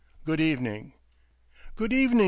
Good evening !"" Good evening, M.